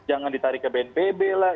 jangan ditarik ke bnpb lah